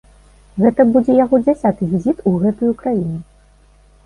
Гэта будзе яго дзясяты візіт у гэтую краіну.